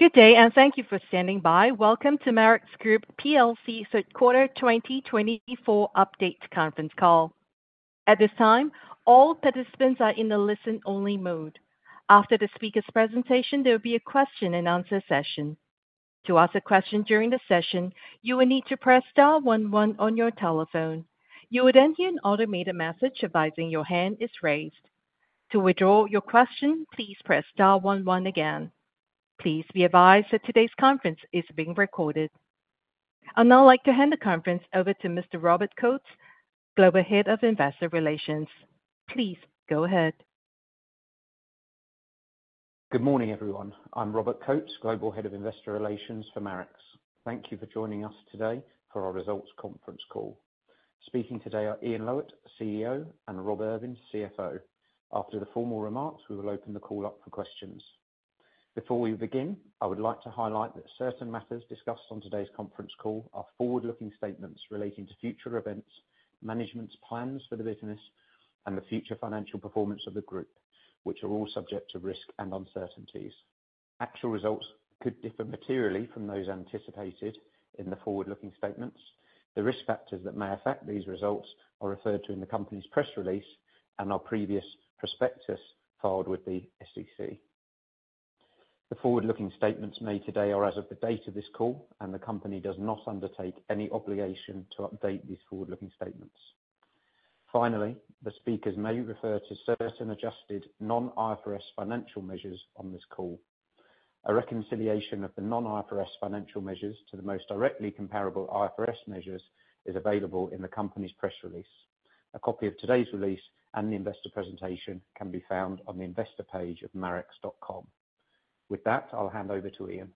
Good day, and thank you for standing by. Welcome to Marex Group PLC third quarter 2024 update conference call. At this time, all participants are in the listen-only mode. After the speaker's presentation, there will be a question-and-answer session. To ask a question during the session, you will need to press star one one on your telephone. You will then hear an automated message advising your hand is raised. To withdraw your question, please press star one one again. Please be advised that today's conference is being recorded. I'd now like to hand the conference over to Mr. Robert Coates, Global Head of Investor Relations. Please go ahead. Good morning, everyone. I'm Robert Coates, Global Head of Investor Relations for Marex. Thank you for joining us today for our results conference call. Speaking today are Ian Lowitt, CEO, and Rob Irvin, CFO. After the formal remarks, we will open the call up for questions. Before we begin, I would like to highlight that certain matters discussed on today's conference call are forward-looking statements relating to future events, management's plans for the business, and the future financial performance of the group, which are all subject to risk and uncertainties. Actual results could differ materially from those anticipated in the forward-looking statements. The risk factors that may affect these results are referred to in the company's press release and our previous prospectus filed with the SEC. The forward-looking statements made today are as of the date of this call, and the company does not undertake any obligation to update these forward-looking statements. Finally, the speakers may refer to certain adjusted non-IFRS financial measures on this call. A reconciliation of the non-IFRS financial measures to the most directly comparable IFRS measures is available in the company's press release. A copy of today's release and the investor presentation can be found on the investor page of marex.com. With that, I'll hand over to Ian.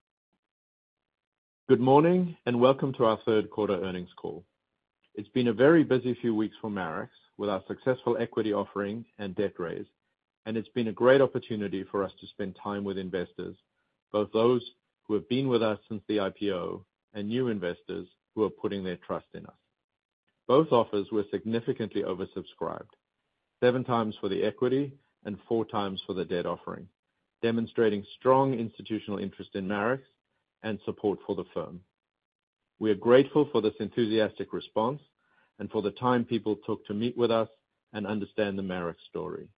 Good morning, and welcome to our third quarter earnings call. It's been a very busy few weeks for Marex with our successful equity offering and debt raise, and it's been a great opportunity for us to spend time with investors, both those who have been with us since the IPO and new investors who are putting their trust in us. Both offers were significantly oversubscribed, seven times for the equity and four times for the debt offering, demonstrating strong institutional interest in Marex and support for the firm. We are grateful for this enthusiastic response and for the time people took to meet with us and understand the Marex story.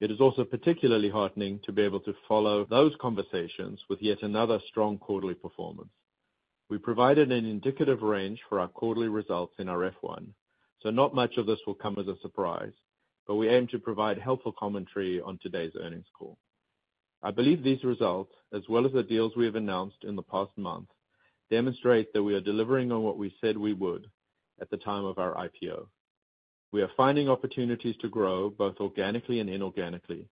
It is also particularly heartening to be able to follow those conversations with yet another strong quarterly performance. We provided an indicative range for our quarterly results in our F-1, so not much of this will come as a surprise, but we aim to provide helpful commentary on today's earnings call. I believe these results, as well as the deals we have announced in the past month, demonstrate that we are delivering on what we said we would at the time of our IPO. We are finding opportunities to grow both organically and inorganically,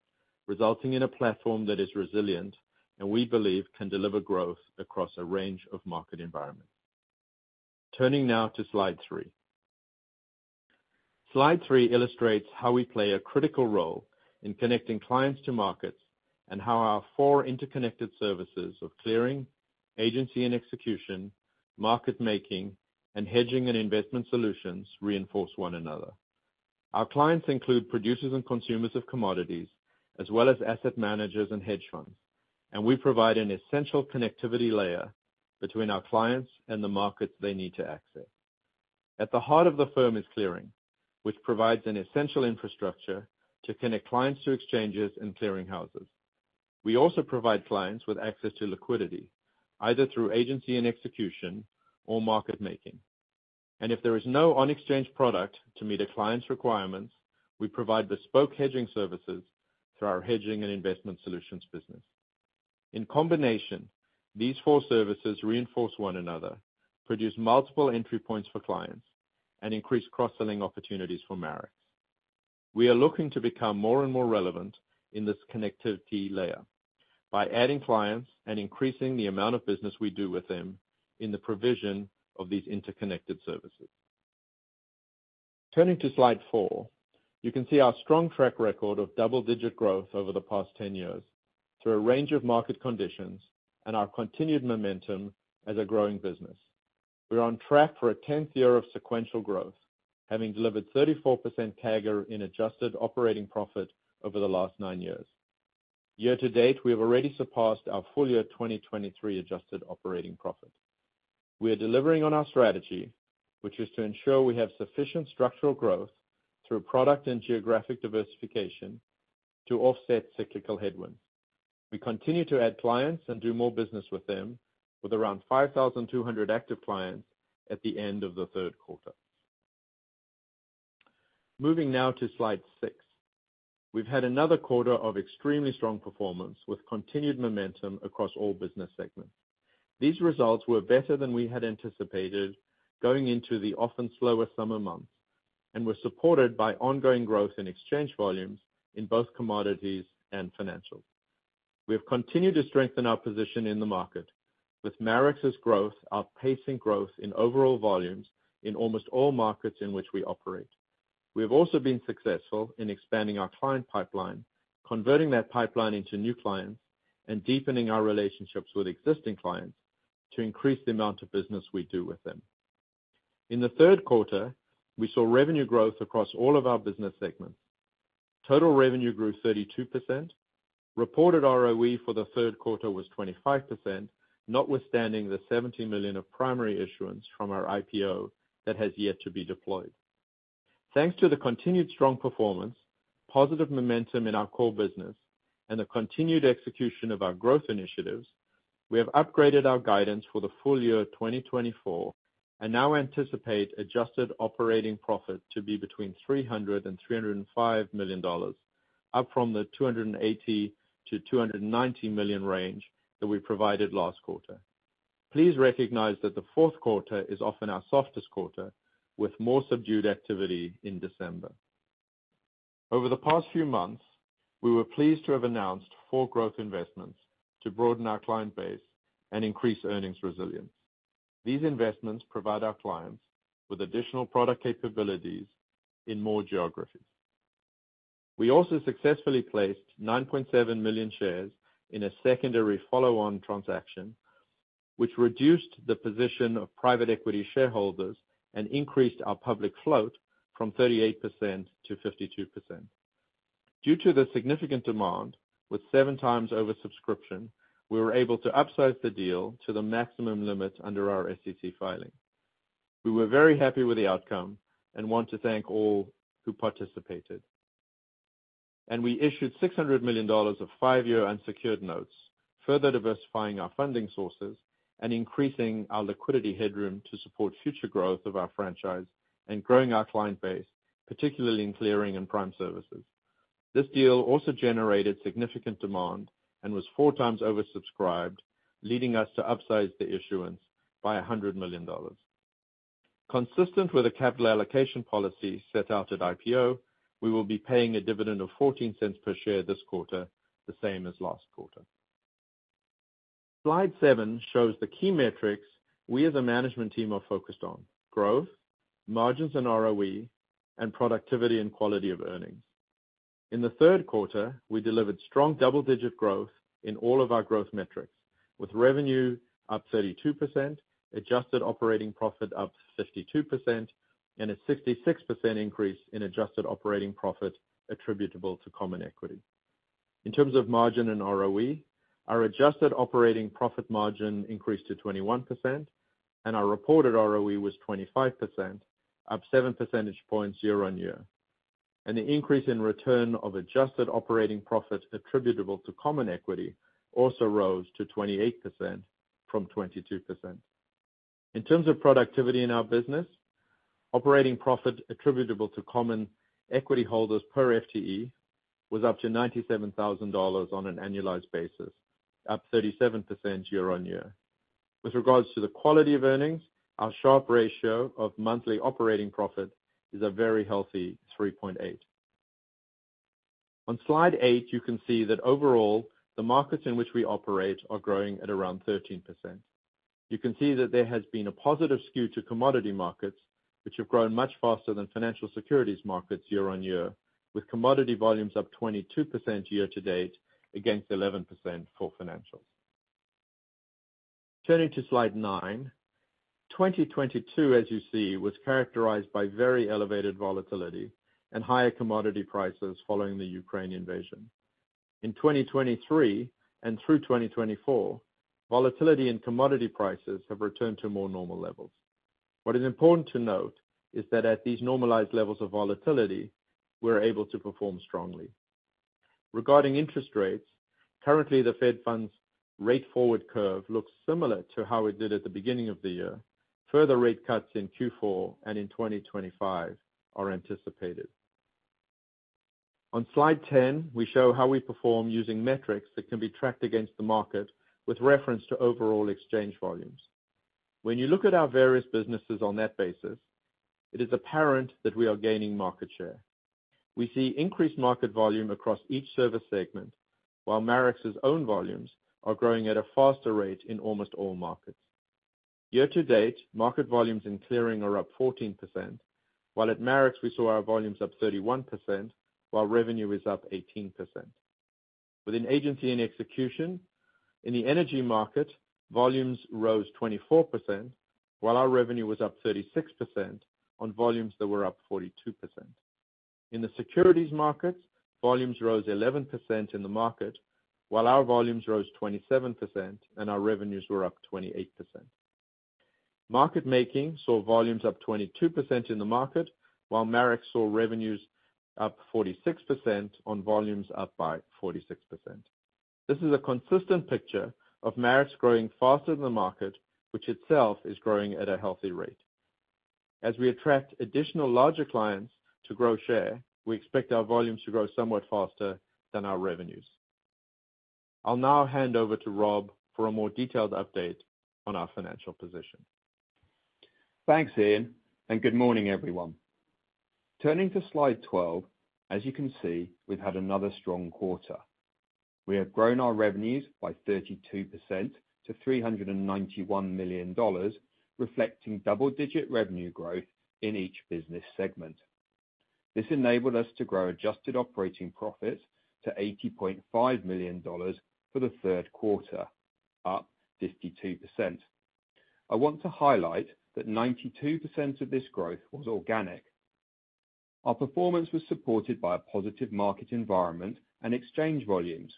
resulting in a platform that is resilient and we believe can deliver growth across a range of market environments. Turning now to slide three. Slide three illustrates how we play a critical role in connecting clients to markets and how our four interconnected services of clearing, agency and execution, market making, and hedging and investment solutions reinforce one another. Our clients include producers and consumers of commodities, as well as asset managers and hedge funds, and we provide an essential connectivity layer between our clients and the markets they need to access. At the heart of the firm is clearing, which provides an essential infrastructure to connect clients to exchanges and clearing houses. We also provide clients with access to liquidity, either through agency and execution or market making. And if there is no on-exchange product to meet a client's requirements, we provide bespoke hedging services through our hedging and investment solutions business. In combination, these four services reinforce one another, produce multiple entry points for clients, and increase cross-selling opportunities for Marex. We are looking to become more and more relevant in this connectivity layer by adding clients and increasing the amount of business we do with them in the provision of these interconnected services. Turning to slide four, you can see our strong track record of double-digit growth over the past 10 years through a range of market conditions and our continued momentum as a growing business. We're on track for a 10th year of sequential growth, having delivered 34% CAGR in adjusted operating profit over the last nine years. year-to-date, we have already surpassed our full-year 2023 adjusted operating profit. We are delivering on our strategy, which is to ensure we have sufficient structural growth through product and geographic diversification to offset cyclical headwinds. We continue to add clients and do more business with them, with around 5,200 active clients at the end of the third quarter. Moving now to slide six, we've had another quarter of extremely strong performance with continued momentum across all business segments. These results were better than we had anticipated going into the often slower summer months and were supported by ongoing growth in exchange volumes in both commodities and financials. We have continued to strengthen our position in the market, with Marex's growth outpacing growth in overall volumes in almost all markets in which we operate. We have also been successful in expanding our client pipeline, converting that pipeline into new clients, and deepening our relationships with existing clients to increase the amount of business we do with them. In the third quarter, we saw revenue growth across all of our business segments. Total revenue grew 32%. Reported ROE for the third quarter was 25%, notwithstanding the $17 million of primary issuance from our IPO that has yet to be deployed. Thanks to the continued strong performance, positive momentum in our core business, and the continued execution of our growth initiatives, we have upgraded our guidance for the full-year 2024 and now anticipate adjusted operating profit to be between $300 million and $305 million, up from the $280 million-$290 million range that we provided last quarter. Please recognize that the fourth quarter is often our softest quarter, with more subdued activity in December. Over the past few months, we were pleased to have announced four growth investments to broaden our client base and increase earnings resilience. These investments provide our clients with additional product capabilities in more geographies. We also successfully placed 9.7 million shares in a secondary follow-on transaction, which reduced the position of private equity shareholders and increased our public float from 38% to 52%. Due to the significant demand, with seven times oversubscription, we were able to upsize the deal to the maximum limit under our SEC filing. We were very happy with the outcome and want to thank all who participated. We issued $600 million of five-year unsecured notes, further diversifying our funding sources and increasing our liquidity headroom to support future growth of our franchise and growing our client base, particularly in clearing and prime services. This deal also generated significant demand and was four times oversubscribed, leading us to upsize the issuance by $100 million. Consistent with the capital allocation policy set out at IPO, we will be paying a dividend of $0.14 per share this quarter, the same as last quarter. Slide seven shows the key metrics we as a management team are focused on: growth, margins and ROE, and productivity and quality of earnings. In the third quarter, we delivered strong double-digit growth in all of our growth metrics, with revenue up 32%, adjusted operating profit up 52%, and a 66% increase in adjusted operating profit attributable to common equity. In terms of margin and ROE, our adjusted operating profit margin increased to 21%, and our reported ROE was 25%, up 7 percentage points year-on-year, and the increase in return of adjusted operating profit attributable to common equity also rose to 28% from 22%. In terms of productivity in our business, operating profit attributable to common equity holders per FTE was up to $97,000 on an annualized basis, up 37% year-on-year. With regards to the quality of earnings, our Sharpe ratio of monthly operating profit is a very healthy 3.8. On slide eight, you can see that overall, the markets in which we operate are growing at around 13%. You can see that there has been a positive skew to commodity markets, which have grown much faster than financial securities markets year-on-year, with commodity volumes up 22% year-to-date against 11% for financials. Turning to slide nine, 2022, as you see, was characterized by very elevated volatility and higher commodity prices following the Ukraine invasion. In 2023 and through 2024, volatility in commodity prices have returned to more normal levels. What is important to note is that at these normalized levels of volatility, we're able to perform strongly. Regarding interest rates, currently the Fed Funds rate forward curve looks similar to how it did at the beginning of the year. Further rate cuts in Q4 and in 2025 are anticipated. On slide 10, we show how we perform using metrics that can be tracked against the market with reference to overall exchange volumes. When you look at our various businesses on that basis, it is apparent that we are gaining market share. We see increased market volume across each service segment, while Marex's own volumes are growing at a faster rate in almost all markets. Year-to-date, market volumes in clearing are up 14%, while at Marex, we saw our volumes up 31%, while revenue is up 18%. Within agency and execution, in the energy market, volumes rose 24%, while our revenue was up 36% on volumes that were up 42%. In the securities markets, volumes rose 11% in the market, while our volumes rose 27% and our revenues were up 28%. Market making saw volumes up 22% in the market, while Marex saw revenues up 46% on volumes up by 46%. This is a consistent picture of Marex growing faster than the market, which itself is growing at a healthy rate. As we attract additional larger clients to grow share, we expect our volumes to grow somewhat faster than our revenues. I'll now hand over to Rob for a more detailed update on our financial position. Thanks, Ian, and good morning, everyone. Turning to slide 12, as you can see, we've had another strong quarter. We have grown our revenues by 32% to $391 million, reflecting double-digit revenue growth in each business segment. This enabled us to grow adjusted operating profit to $80.5 million for the third quarter, up 52%. I want to highlight that 92% of this growth was organic. Our performance was supported by a positive market environment and exchange volumes.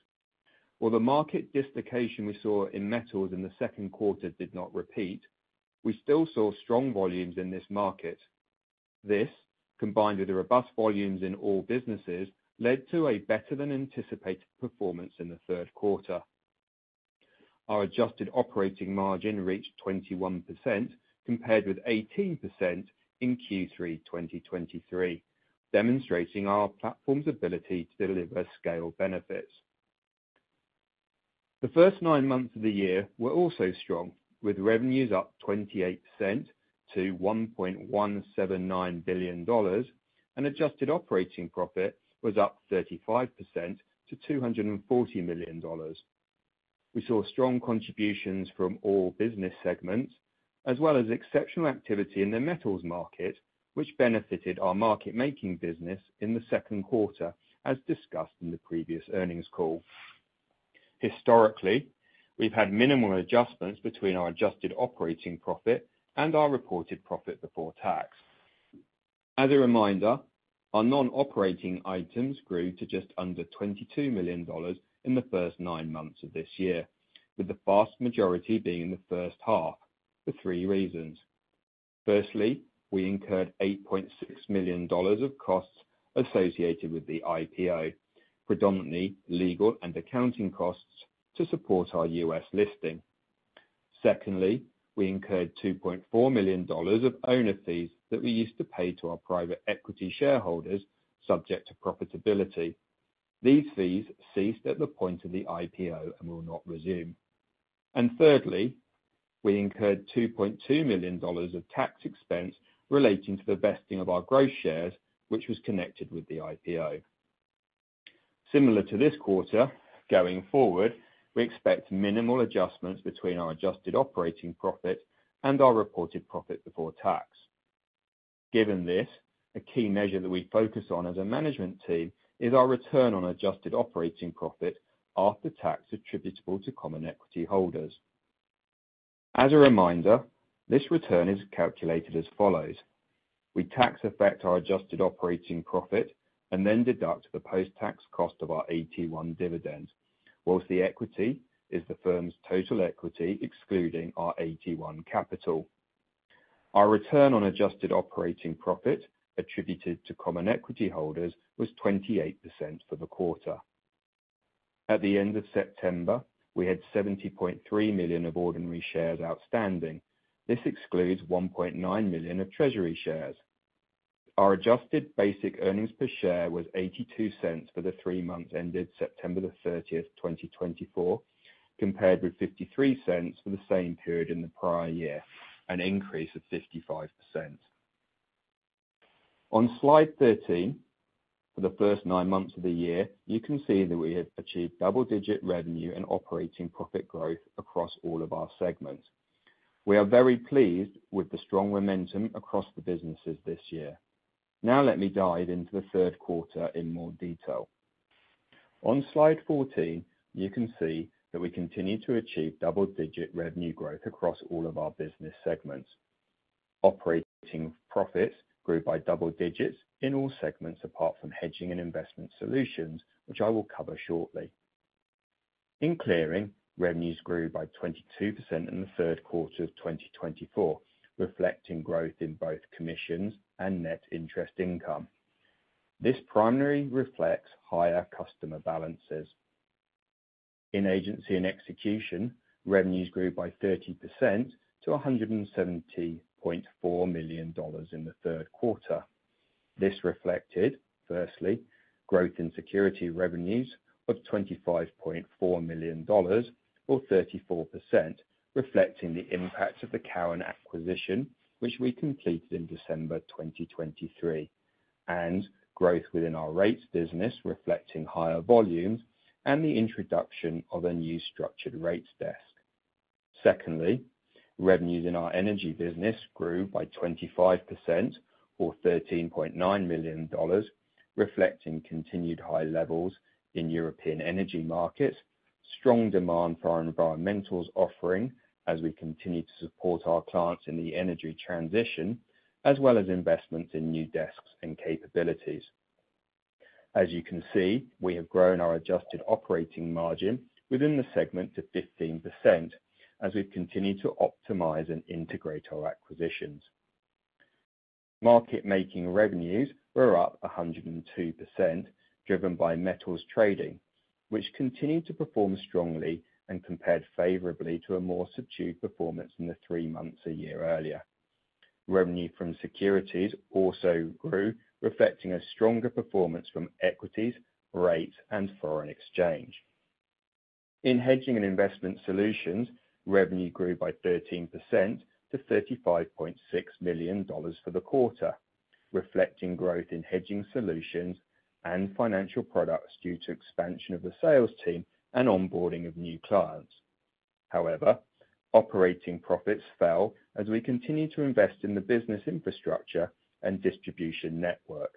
While the market dislocation we saw in metals in the second quarter did not repeat, we still saw strong volumes in this market. This, combined with the robust volumes in all businesses, led to a better than anticipated performance in the third quarter. Our adjusted operating margin reached 21% compared with 18% in Q3 2023, demonstrating our platform's ability to deliver scale benefits. The first nine months of the year were also strong, with revenues up 28% to $1.179 billion, and adjusted operating profit was up 35% to $240 million. We saw strong contributions from all business segments, as well as exceptional activity in the metals market, which benefited our market making business in the second quarter, as discussed in the previous earnings call. Historically, we've had minimal adjustments between our adjusted operating profit and our reported profit before tax. As a reminder, our non-operating items grew to just under $22 million in the first nine months of this year, with the vast majority being in the first half for three reasons. Firstly, we incurred $8.6 million of costs associated with the IPO, predominantly legal and accounting costs to support our U.S. listing. Secondly, we incurred $2.4 million of owner fees that we used to pay to our private equity shareholders, subject to profitability. These fees ceased at the point of the IPO and will not resume. Thirdly, we incurred $2.2 million of tax expense relating to the vesting of our RSU shares, which was connected with the IPO. Similar to this quarter, going forward, we expect minimal adjustments between our adjusted operating profit and our reported profit before tax. Given this, a key measure that we focus on as a management team is our return on adjusted operating profit after tax attributable to common equity holders. As a reminder, this return is calculated as follows. We tax-affect our adjusted operating profit and then deduct the post-tax cost of our AT1 dividend, whilst the equity is the firm's total equity excluding our AT1 capital. Our return on adjusted operating profit attributed to common equity holders was 28% for the quarter. At the end of September, we had 70.3 million of ordinary shares outstanding. This excludes 1.9 million of treasury shares. Our adjusted basic earnings per share was $0.82 for the three months ended September the 30th, 2024, compared with $0.53 for the same period in the prior year, an increase of 55%. On slide 13, for the first nine months of the year, you can see that we have achieved double-digit revenue and operating profit growth across all of our segments. We are very pleased with the strong momentum across the businesses this year. Now let me dive into the third quarter in more detail. On slide 14, you can see that we continue to achieve double-digit revenue growth across all of our business segments. Operating profits grew by double digits in all segments apart from hedging and investment solutions, which I will cover shortly. In clearing, revenues grew by 22% in the third quarter of 2024, reflecting growth in both commissions and net interest income. This primarily reflects higher customer balances. In agency and execution, revenues grew by 30% to $170.4 million in the third quarter. This reflected, firstly, growth in securities revenues of $25.4 million, or 34%, reflecting the impact of the Cowen acquisition, which we completed in December 2023, and growth within our rates business, reflecting higher volumes and the introduction of a new structured rates desk. Secondly, revenues in our energy business grew by 25%, or $13.9 million, reflecting continued high levels in European energy markets, strong demand for our environmentals offering as we continue to support our clients in the energy transition, as well as investments in new desks and capabilities. As you can see, we have grown our adjusted operating margin within the segment to 15% as we've continued to optimize and integrate our acquisitions. Market making revenues were up 102%, driven by metals trading, which continued to perform strongly and compared favorably to a more subdued performance in the three months a year earlier. Revenue from securities also grew, reflecting a stronger performance from equities, rates, and foreign exchange. In hedging and investment solutions, revenue grew by 13% to $35.6 million for the quarter, reflecting growth in hedging solutions and financial products due to expansion of the sales team and onboarding of new clients. However, operating profits fell as we continue to invest in the business infrastructure and distribution network.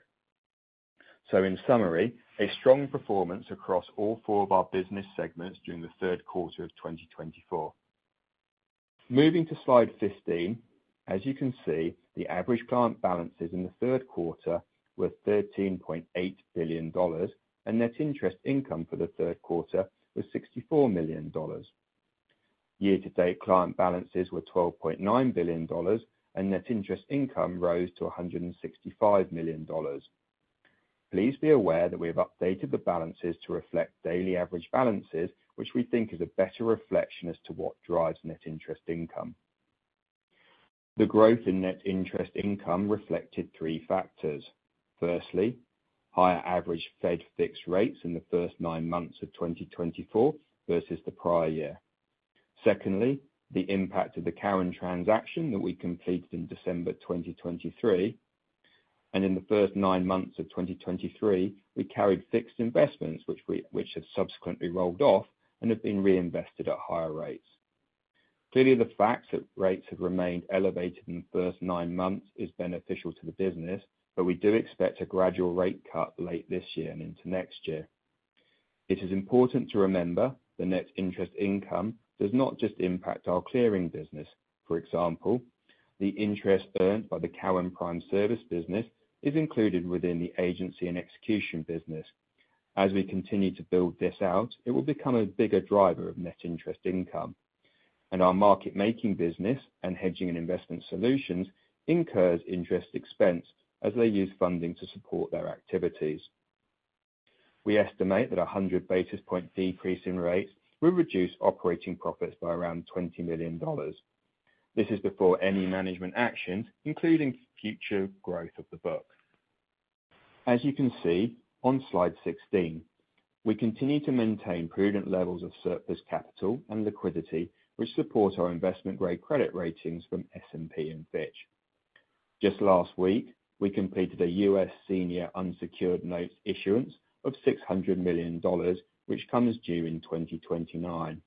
So, in summary, a strong performance across all four of our business segments during the third quarter of 2024. Moving to slide 15, as you can see, the average client balances in the third quarter were $13.8 billion, and net interest income for the third quarter was $64 million. year-to-date, client balances were $12.9 billion, and net interest income rose to $165 million. Please be aware that we have updated the balances to reflect daily average balances, which we think is a better reflection as to what drives net interest income. The growth in net interest income reflected three factors. Firstly, higher average Fed funds rates in the first nine months of 2024 versus the prior year. Secondly, the impact of the Cowen transaction that we completed in December 2023, and in the first nine months of 2023, we carried fixed investments, which have subsequently rolled off and have been reinvested at higher rates. Clearly, the fact that rates have remained elevated in the first nine months is beneficial to the business, but we do expect a gradual rate cut late this year and into next year. It is important to remember the net interest income does not just impact our clearing business. For example, the interest earned by the Cowen Prime Service business is included within the agency and execution business. As we continue to build this out, it will become a bigger driver of net interest income. Our Market Making business and Hedging and Investment Solutions incur interest expense as they use funding to support their activities. We estimate that a 100 basis points decrease in rates will reduce operating profits by around $20 million. This is before any management actions, including future growth of the book. As you can see on slide 16, we continue to maintain prudent levels of surplus capital and liquidity, which support our investment-grade credit ratings from S&P and Fitch. Just last week, we completed a U.S. Senior Unsecured Notes issuance of $600 million, which comes due in 2029.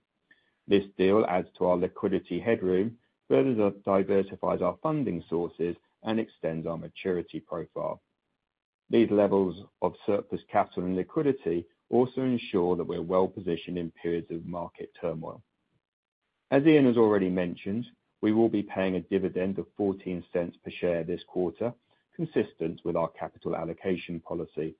This deal adds to our liquidity headroom, further diversifies our funding sources, and extends our maturity profile. These levels of surplus capital and liquidity also ensure that we're well positioned in periods of market turmoil. As Ian has already mentioned, we will be paying a dividend of $0.14 per share this quarter, consistent with our capital allocation policy.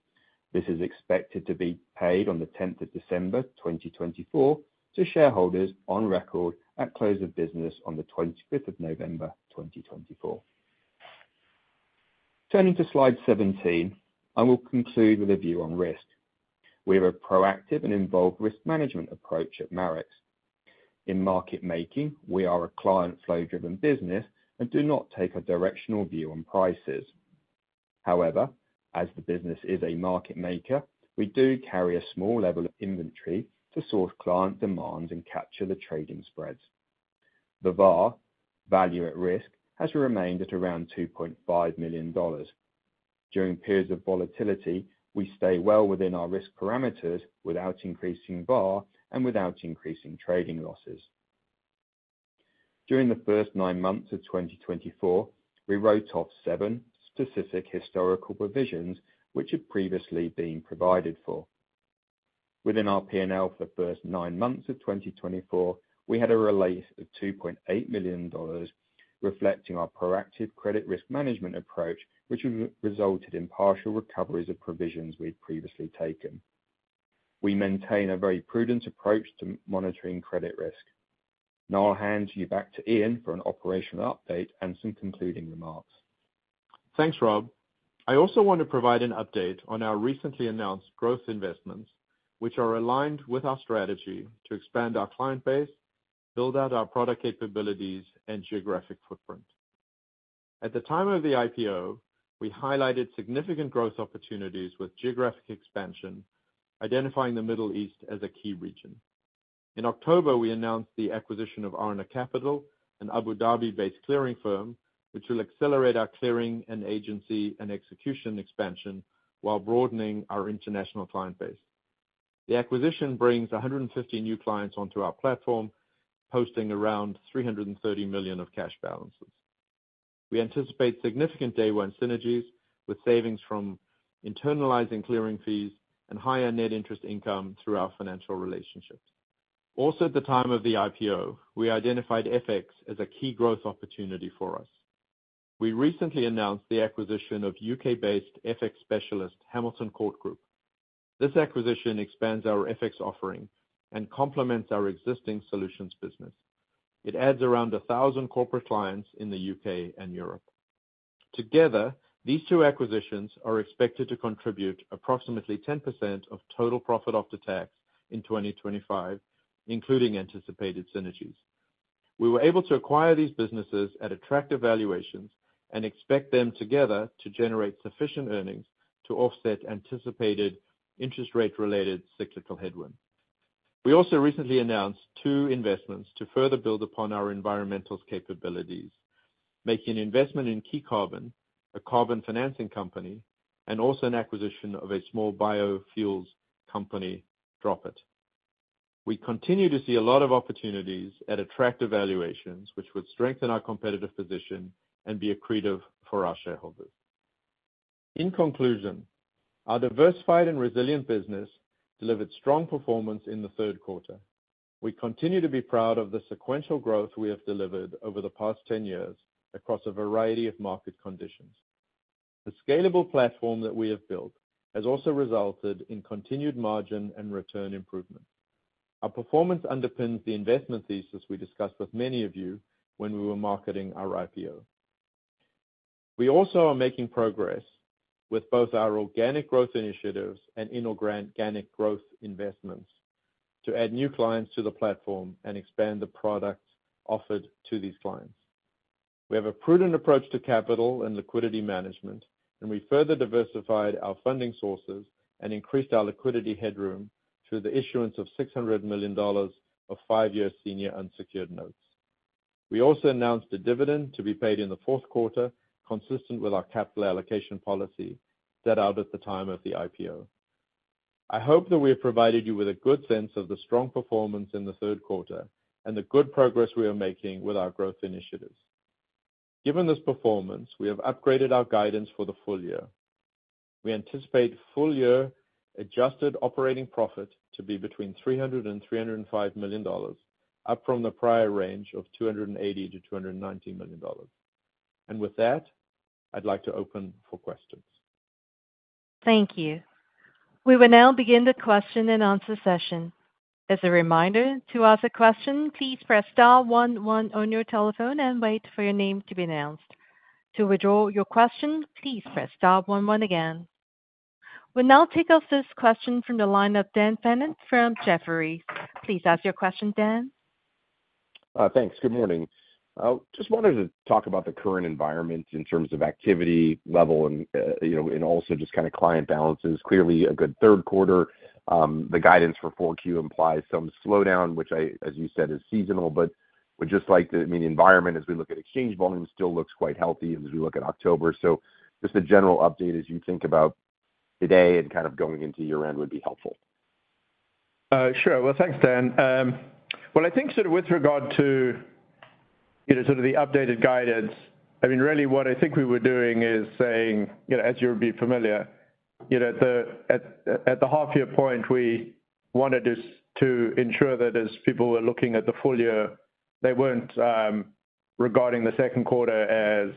This is expected to be paid on the 10th of December 2024 to shareholders on record at close of business on the 25th of November 2024. Turning to slide 17, I will conclude with a view on risk. We have a proactive and involved risk management approach at Marex. In market making, we are a client flow driven business and do not take a directional view on prices. However, as the business is a market maker, we do carry a small level of inventory to source client demands and capture the trading spreads. The VaR, value at risk, has remained at around $2.5 million. During periods of volatility, we stay well within our risk parameters without increasing VaR and without increasing trading losses. During the first nine months of 2024, we wrote off seven specific historical provisions, which had previously been provided for. Within our P&L for the first nine months of 2024, we had a release of $2.8 million, reflecting our proactive credit risk management approach, which resulted in partial recoveries of provisions we'd previously taken. We maintain a very prudent approach to monitoring credit risk. Now I'll hand you back to Ian for an operational update and some concluding remarks. Thanks, Rob. I also want to provide an update on our recently announced growth investments, which are aligned with our strategy to expand our client base, build out our product capabilities, and geographic footprint. At the time of the IPO, we highlighted significant growth opportunities with geographic expansion, identifying the Middle East as a key region. In October, we announced the acquisition of Aarna Capital, an Abu Dhabi-based clearing firm, which will accelerate our clearing and agency and execution expansion while broadening our international client base. The acquisition brings 150 new clients onto our platform, posting around $330 million of cash balances. We anticipate significant day one synergies with savings from internalizing clearing fees and higher net interest income through our financial relationships. Also, at the time of the IPO, we identified FX as a key growth opportunity for us. We recently announced the acquisition of U.K.-based FX specialist Hamilton Court Group. This acquisition expands our FX offering and complements our existing solutions business. It adds around 1,000 corporate clients in the U.K. and Europe. Together, these two acquisitions are expected to contribute approximately 10% of total profit after tax in 2025, including anticipated synergies. We were able to acquire these businesses at attractive valuations and expect them together to generate sufficient earnings to offset anticipated interest rate-related cyclical headwinds. We also recently announced two investments to further build upon our environmental capabilities, making an investment in Key Carbon, a carbon financing company, and also an acquisition of a small biofuels company, Dropet. We continue to see a lot of opportunities at attractive valuations, which would strengthen our competitive position and be accretive for our shareholders. In conclusion, our diversified and resilient business delivered strong performance in the third quarter. We continue to be proud of the sequential growth we have delivered over the past 10 years across a variety of market conditions. The scalable platform that we have built has also resulted in continued margin and return improvement. Our performance underpins the investment thesis we discussed with many of you when we were marketing our IPO. We also are making progress with both our organic growth initiatives and inorganic growth investments to add new clients to the platform and expand the product offered to these clients. We have a prudent approach to capital and liquidity management, and we further diversified our funding sources and increased our liquidity headroom through the issuance of $600 million of five-year senior unsecured notes. We also announced a dividend to be paid in the fourth quarter, consistent with our capital allocation policy set out at the time of the IPO. I hope that we have provided you with a good sense of the strong performance in the third quarter and the good progress we are making with our growth initiatives. Given this performance, we have upgraded our guidance for the full-year. We anticipate full-year adjusted operating profit to be between $300 million and $305 million dollars, up from the prior range of $280 million-$290 million dollars. And with that, I'd like to open for questions. Thank you. We will now begin the question and answer session. As a reminder, to ask a question, please press star one one on your telephone and wait for your name to be announced. To withdraw your question, please press star one one again. We'll now take up this question from the line of Dan Fannon from Jefferies. Please ask your question, Dan. Thanks. Good morning. I just wanted to talk about the current environment in terms of activity level and also just kind of client balances. Clearly, a good third quarter, the guidance for 4Q implies some slowdown, which, as you said, is seasonal, but we'd just like to, I mean, the environment as we look at exchange volume still looks quite healthy as we look at October. So just a general update as you think about today and kind of going into year-end would be helpful. Sure. Thanks, Dan. I think sort of with regard to sort of the updated guidance, I mean, really what I think we were doing is saying, as you'll be familiar, at the half-year point, we wanted to ensure that as people were looking at the full-year, they weren't regarding the second quarter as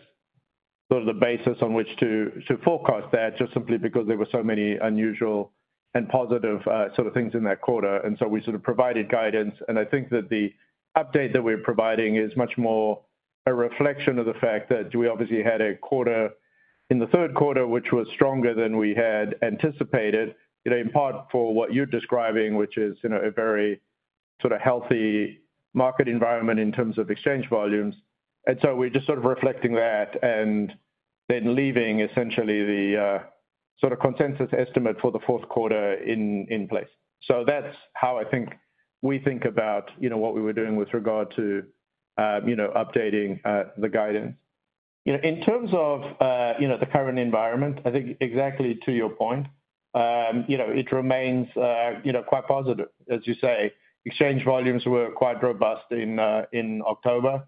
sort of the basis on which to forecast that, just simply because there were so many unusual and positive sort of things in that quarter, and so we sort of provided guidance, and I think that the update that we're providing is much more a reflection of the fact that we obviously had a quarter in the third quarter, which was stronger than we had anticipated, in part for what you're describing, which is a very sort of healthy market environment in terms of exchange volumes. And so we're just sort of reflecting that and then leaving essentially the sort of consensus estimate for the fourth quarter in place. So that's how I think we think about what we were doing with regard to updating the guidance. In terms of the current environment, I think exactly to your point, it remains quite positive. As you say, exchange volumes were quite robust in October.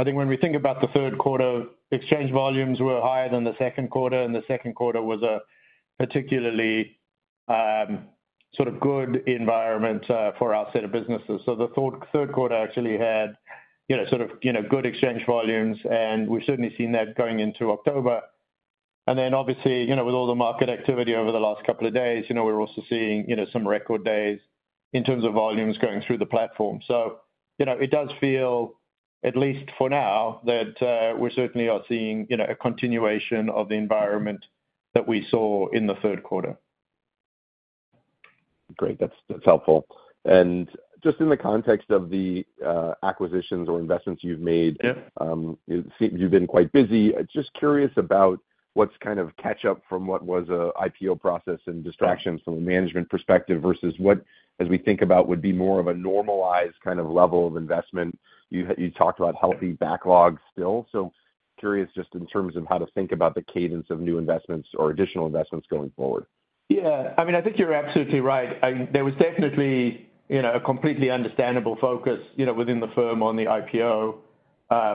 I think when we think about the third quarter, exchange volumes were higher than the second quarter, and the second quarter was a particularly sort of good environment for our set of businesses. So the third quarter actually had sort of good exchange volumes, and we've certainly seen that going into October. And then obviously, with all the market activity over the last couple of days, we're also seeing some record days in terms of volumes going through the platform. So it does feel, at least for now, that we certainly are seeing a continuation of the environment that we saw in the third quarter. Great. That's helpful. And just in the context of the acquisitions or investments you've made, it seems you've been quite busy. Just curious about what's kind of catch-up from what was an IPO process and distractions from a management perspective versus what, as we think about, would be more of a normalized kind of level of investment. You talked about healthy backlog still. So curious just in terms of how to think about the cadence of new investments or additional investments going forward. Yeah. I mean, I think you're absolutely right. There was definitely a completely understandable focus within the firm on the IPO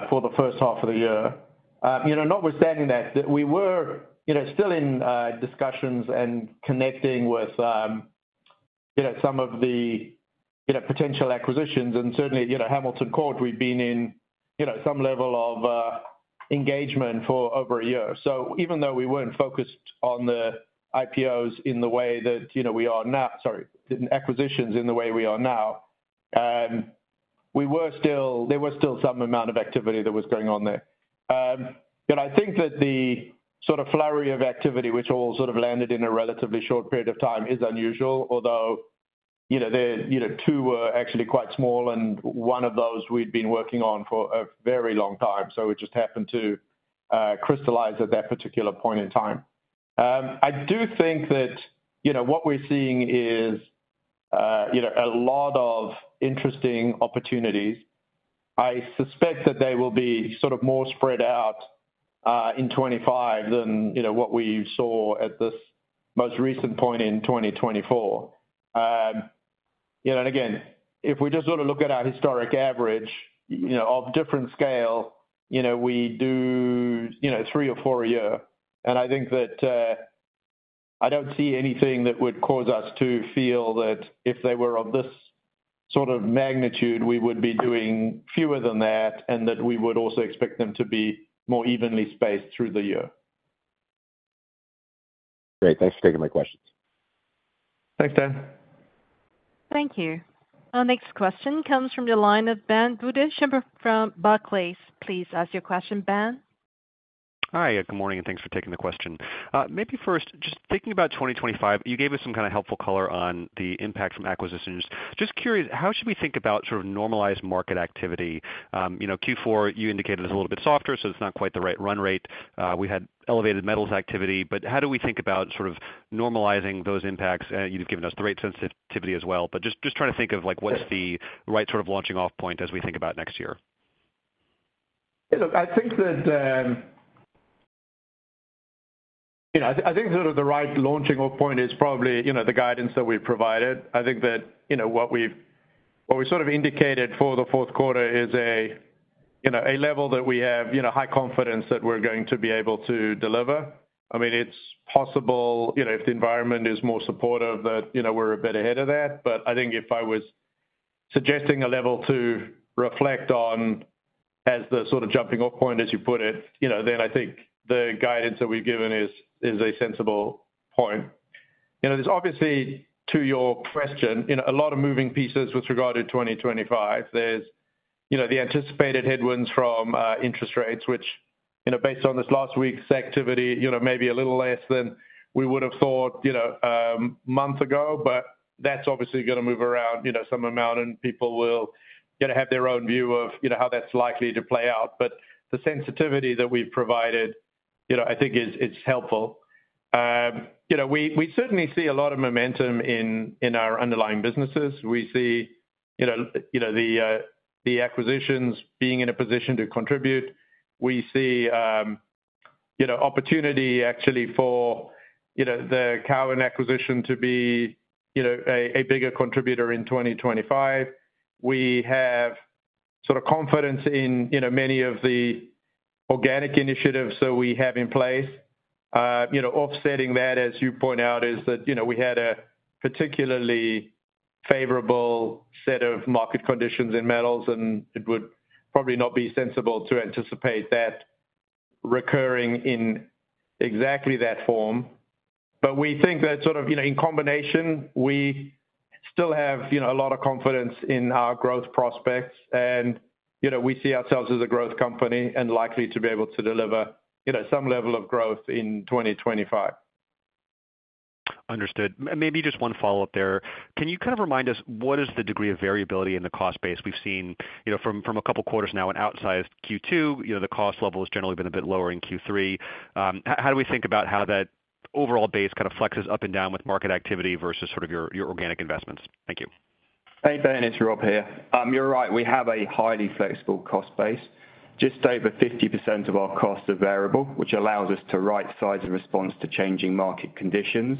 for the first half of the year. Notwithstanding that, we were still in discussions and connecting with some of the potential acquisitions, and certainly Hamilton Court. We've been in some level of engagement for over a year. So even though we weren't focused on the IPOs in the way that we are now, sorry, acquisitions in the way we are now, there was still some amount of activity that was going on there. But I think that the sort of flurry of activity, which all sort of landed in a relatively short period of time, is unusual, although two were actually quite small, and one of those we'd been working on for a very long time. So it just happened to crystallize at that particular point in time. I do think that what we're seeing is a lot of interesting opportunities. I suspect that they will be sort of more spread out in 2025 than what we saw at this most recent point in 2024. And again, if we just sort of look at our historic average of different scale, we do three or four a year. And I think that I don't see anything that would cause us to feel that if they were of this sort of magnitude, we would be doing fewer than that and that we would also expect them to be more evenly spaced through the year. Great. Thanks for taking my questions. Thanks, Dan. Thank you. Our next question comes from the line of Ben Budish from Barclays. Please ask your question, Ben. Hi. Good morning and thanks for taking the question. Maybe first, just thinking about 2025, you gave us some kind of helpful color on the impact from acquisitions. Just curious, how should we think about sort of normalized market activity? Q4, you indicated it's a little bit softer, so it's not quite the right run rate. We had elevated metals activity. But how do we think about sort of normalizing those impacts? You've given us the rate sensitivity as well. But just trying to think of what's the right sort of launching-off point as we think about next year. I think that sort of the right launching-off point is probably the guidance that we've provided. I think that what we've sort of indicated for the fourth quarter is a level that we have high confidence that we're going to be able to deliver. I mean, it's possible if the environment is more supportive that we're a bit ahead of that. But I think if I was suggesting a level to reflect on as the sort of jumping-off point, as you put it, then I think the guidance that we've given is a sensible point. Obviously, to your question, a lot of moving pieces with regard to 2025. There's the anticipated headwinds from interest rates, which based on this last week's activity, maybe a little less than we would have thought a month ago, but that's obviously going to move around some amount, and people will have their own view of how that's likely to play out. But the sensitivity that we've provided, I think it's helpful. We certainly see a lot of momentum in our underlying businesses. We see the acquisitions being in a position to contribute. We see opportunity actually for the Cowen acquisition to be a bigger contributor in 2025. We have sort of confidence in many of the organic initiatives that we have in place. Offsetting that, as you point out, is that we had a particularly favorable set of market conditions in metals, and it would probably not be sensible to anticipate that recurring in exactly that form. But we think that sort of in combination, we still have a lot of confidence in our growth prospects, and we see ourselves as a growth company and likely to be able to deliver some level of growth in 2025. Understood. Maybe just one follow-up there. Can you kind of remind us what is the degree of variability in the cost base we've seen from a couple of quarters now in outsized Q2? The cost level has generally been a bit lower in Q3. How do we think about how that overall base kind of flexes up and down with market activity versus sort of your organic investments? Thank you. Thanks, Dan. It's Rob here. You're right. We have a highly flexible cost base. Just over 50% of our costs are variable, which allows us to right-size and respond to changing market conditions.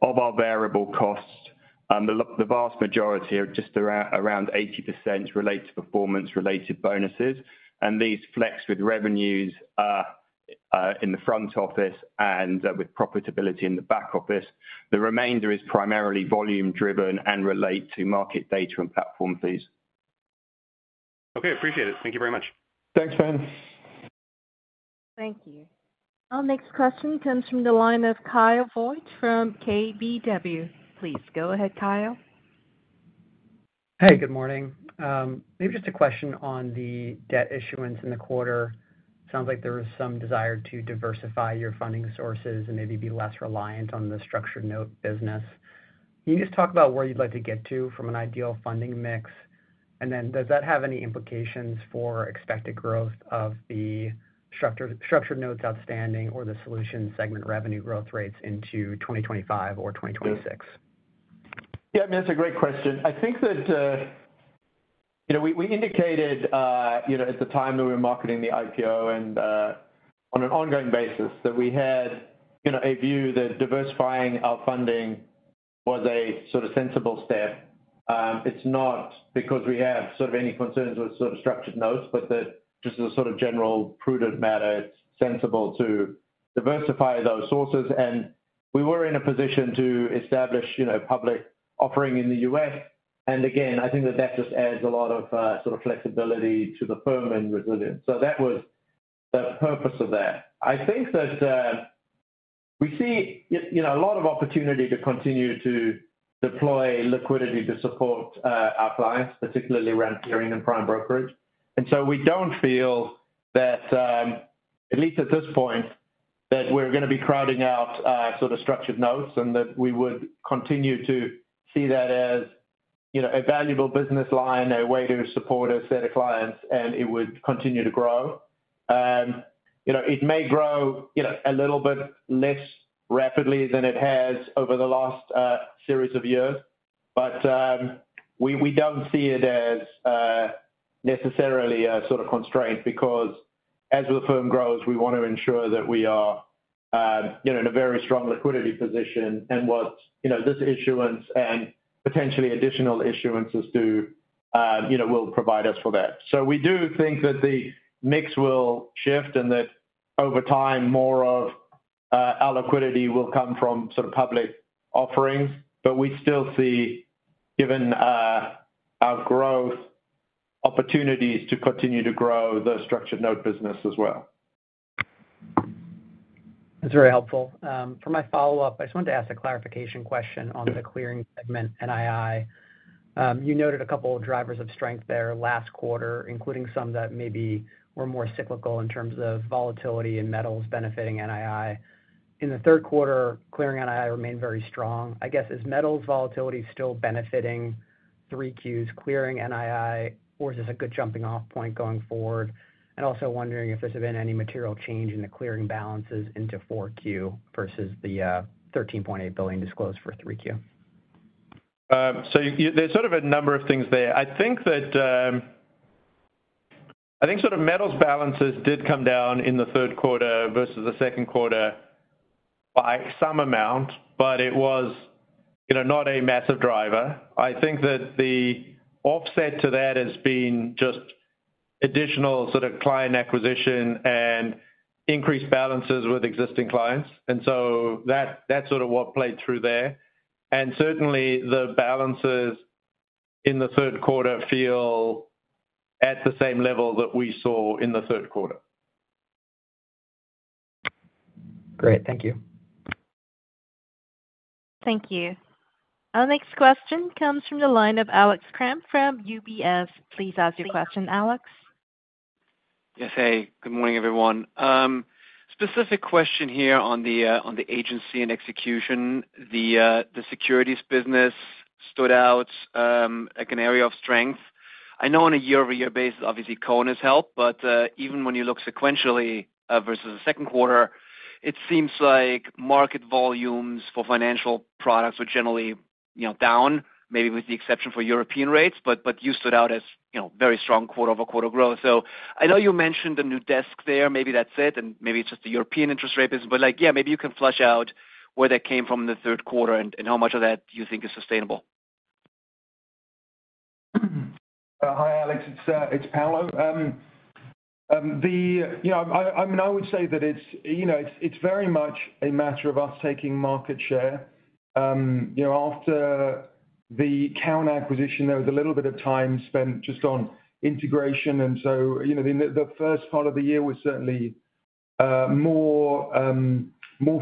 Of our variable costs, the vast majority, just around 80%, relate to performance-related bonuses, and these flex with revenues in the front office and with profitability in the back office. The remainder is primarily volume-driven and relates to market data and platform fees. Okay. Appreciate it. Thank you very much. Thanks, Ben. Thank you. Our next question comes from the line of Kyle Voigt from KBW. Please go ahead, Kyle. Hey, good morning. Maybe just a question on the debt issuance in the quarter. Sounds like there was some desire to diversify your funding sources and maybe be less reliant on the structured note business. Can you just talk about where you'd like to get to from an ideal funding mix? And then does that have any implications for expected growth of the structured notes outstanding or the solution segment revenue growth rates into 2025 or 2026? Yeah. I mean, that's a great question. I think that we indicated at the time that we were marketing the IPO and on an ongoing basis that we had a view that diversifying our funding was a sort of sensible step. It's not because we have sort of any concerns with sort of structured notes, but that just as a sort of general prudent matter, it's sensible to diversify those sources. And we were in a position to establish a public offering in the U.S. And again, I think that that just adds a lot of sort of flexibility to the firm and resilience. So that was the purpose of that. I think that we see a lot of opportunity to continue to deploy liquidity to support our clients, particularly Agency and Execution and Prime Brokerage. And so we don't feel, at least at this point, that we're going to be crowding out sort of structured notes and that we would continue to see that as a valuable business line, a way to support a set of clients, and it would continue to grow. It may grow a little bit less rapidly than it has over the last series of years, but we don't see it as necessarily a sort of constraint because as the firm grows, we want to ensure that we are in a very strong liquidity position and what this issuance and potentially additional issuances do will provide us for that. So we do think that the mix will shift and that over time, more of our liquidity will come from sort of public offerings. But we still see, given our growth, opportunities to continue to grow the structured note business as well. That's very helpful. For my follow-up, I just wanted to ask a clarification question on the clearing segment NII. You noted a couple of drivers of strength there last quarter, including some that maybe were more cyclical in terms of volatility in metals benefiting NII. In the third quarter, clearing NII remained very strong. I guess, is metals volatility still benefiting 3Q's clearing NII, or is this a good jumping-off point going forward? And also wondering if there's been any material change in the clearing balances into 4Q versus the $13.8 billion disclosed for 3Q. There's sort of a number of things there. I think sort of metals balances did come down in the third quarter versus the second quarter by some amount, but it was not a massive driver. I think that the offset to that has been just additional sort of client acquisition and increased balances with existing clients. And so that's sort of what played through there. And certainly, the balances in the third quarter were at the same level that we saw in the third quarter. Great. Thank you. Thank you. Our next question comes from the line of Alex Kramm from UBS. Please ask your question, Alex. Yes. Hey, good morning, everyone. Specific question here on the agency and execution. The securities business stood out like an area of strength. I know on a year-over-year basis, obviously, Cowen has helped, but even when you look sequentially versus the second quarter, it seems like market volumes for financial products were generally down, maybe with the exception for European rates, but you stood out as a very strong quarter-over-quarter growth. So I know you mentioned the new desk there. Maybe that's it, and maybe it's just the European interest rate basis. But yeah, maybe you can flesh out where that came from in the third quarter and how much of that you think is sustainable. Hi, Alex. It's Paolo. I mean, I would say that it's very much a matter of us taking market share. After the Cowen acquisition, there was a little bit of time spent just on integration. And so the first part of the year was certainly more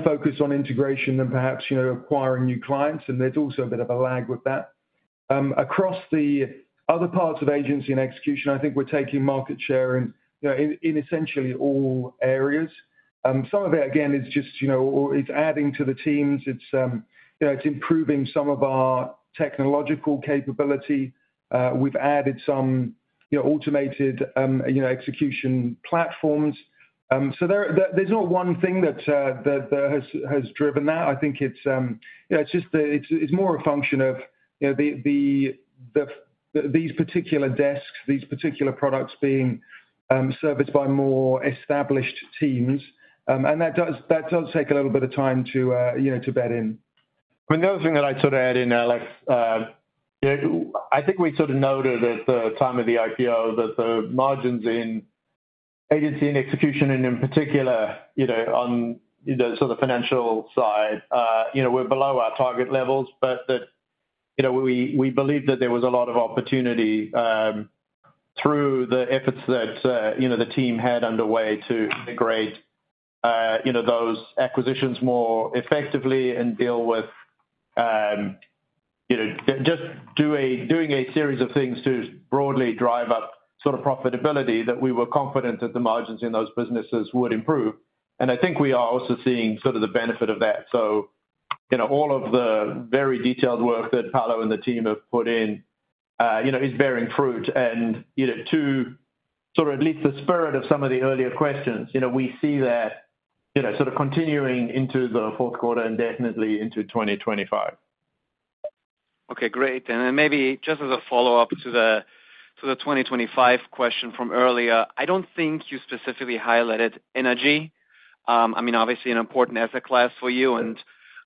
focused on integration than perhaps acquiring new clients. And there's also a bit of a lag with that. Across the other parts of agency and execution, I think we're taking market share in essentially all areas. Some of it, again, is just adding to the teams. It's improving some of our technological capability. We've added some automated execution platforms. So there's not one thing that has driven that. I think it's just that it's more a function of these particular desks, these particular products being serviced by more established teams. And that does take a little bit of time to bed in. I mean, the other thing that I'd sort of add in, Alex, I think we sort of noted at the time of the IPO that the margins in agency and execution, and in particular on the sort of financial side, were below our target levels, but that we believe that there was a lot of opportunity through the efforts that the team had underway to integrate those acquisitions more effectively and deal with just doing a series of things to broadly drive up sort of profitability that we were confident that the margins in those businesses would improve, and I think we are also seeing sort of the benefit of that, so all of the very detailed work that Paolo and the team have put in is bearing fruit. To sort of at least the spirit of some of the earlier questions, we see that sort of continuing into the fourth quarter and definitely into 2025. Okay. Great. And then maybe just as a follow-up to the 2025 question from earlier, I don't think you specifically highlighted energy. I mean, obviously, an important asset class for you and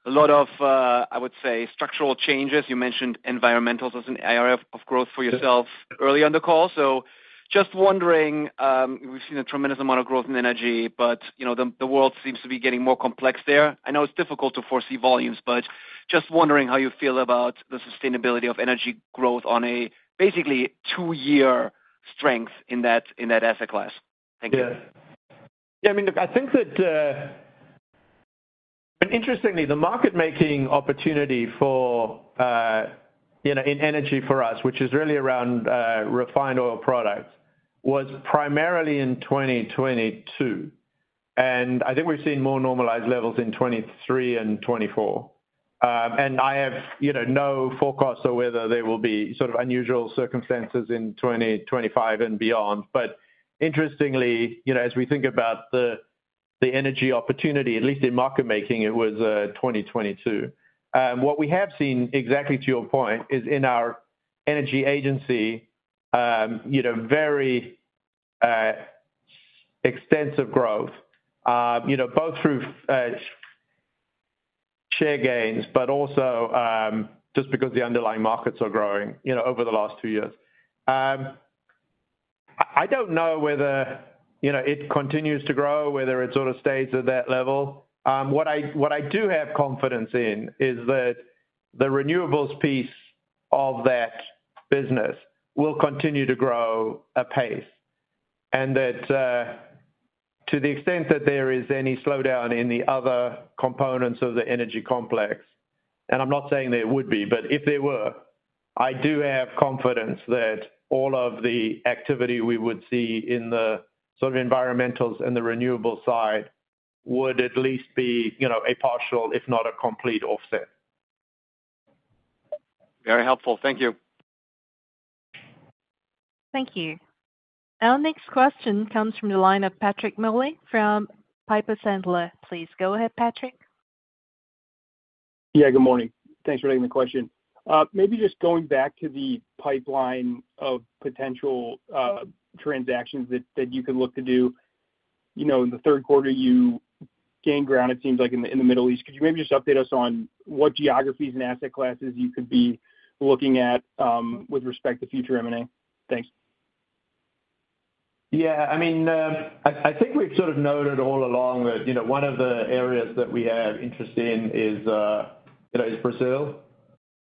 a lot of, I would say, structural changes. You mentioned environmentals as an area of growth for yourself early on the call. So just wondering, we've seen a tremendous amount of growth in energy, but the world seems to be getting more complex there. I know it's difficult to foresee volumes, but just wondering how you feel about the sustainability of energy growth on a basically two-year strength in that asset class. Thank you. Yeah. I mean, look, I think that interestingly, the market-making opportunity in energy for us, which is really around refined oil products, was primarily in 2022, and I think we've seen more normalized levels in 2023 and 2024, and I have no forecasts of whether there will be sort of unusual circumstances in 2025 and beyond, but interestingly, as we think about the energy opportunity, at least in market-making, it was 2022. What we have seen, exactly to your point, is in our energy agency, very extensive growth, both through share gains, but also just because the underlying markets are growing over the last two years. I don't know whether it continues to grow, whether it sort of stays at that level. What I do have confidence in is that the renewables piece of that business will continue to grow apace and that to the extent that there is any slowdown in the other components of the energy complex, and I'm not saying there would be, but if there were, I do have confidence that all of the activity we would see in the sort of environmentals and the renewables side would at least be a partial, if not a complete offset. Very helpful. Thank you. Thank you. Our next question comes from the line of Patrick Moley from Piper Sandler. Please go ahead, Patrick. Yeah. Good morning. Thanks for taking the question. Maybe just going back to the pipeline of potential transactions that you could look to do in the third quarter, you gained ground, it seems like, in the Middle East. Could you maybe just update us on what geographies and asset classes you could be looking at with respect to future M&A? Thanks. Yeah. I mean, I think we've sort of noted all along that one of the areas that we have interest in is Brazil.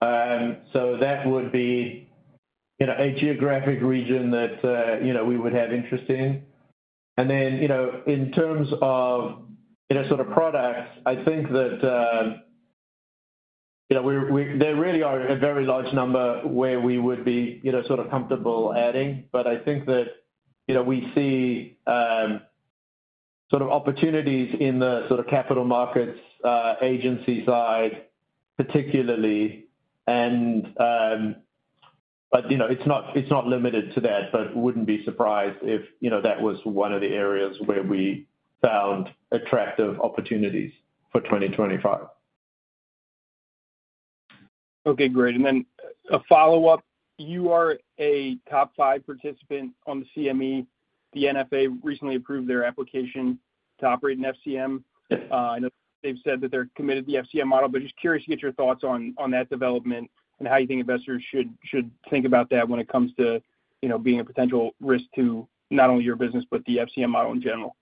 So that would be a geographic region that we would have interest in. And then in terms of sort of products, I think that there really are a very large number where we would be sort of comfortable adding. But I think that we see sort of opportunities in the sort of capital markets agency side, particularly. But it's not limited to that, but wouldn't be surprised if that was one of the areas where we found attractive opportunities for 2025. Okay. Great. And then a follow-up. You are a top five participant on the CME. The NFA recently approved their application to operate an FCM. I know they've said that they're committed to the FCM model, but just curious to get your thoughts on that development and how you think investors should think about that when it comes to being a potential risk to not only your business, but the FCM model in general.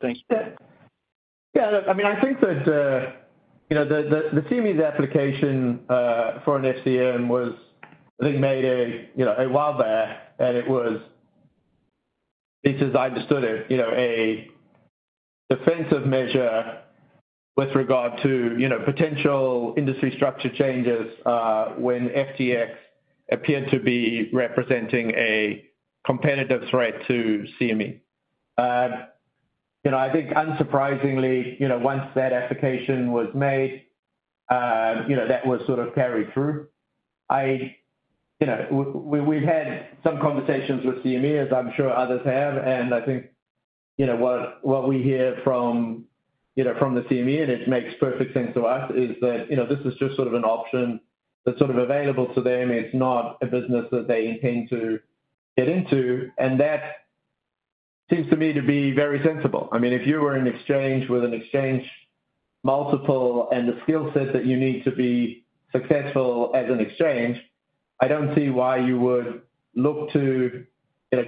Thanks. Yeah. I mean, I think that the CME's application for an FCM was, I think, made in wild haste, and it was, at least as I understood it, a defensive measure with regard to potential industry structure changes when FTX appeared to be representing a competitive threat to CME. I think, unsurprisingly, once that application was made, that was sort of carried through. We've had some conversations with CME, as I'm sure others have, and I think what we hear from the CME, and it makes perfect sense to us, is that this is just sort of an option that's sort of available to them. It's not a business that they intend to get into, and that seems to me to be very sensible. I mean, if you were in exchange with an exchange multiple and the skill set that you need to be successful as an exchange, I don't see why you would look to